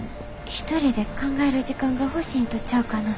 一人で考える時間が欲しいんとちゃうかな。